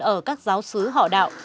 ở các giáo sứ họ đạo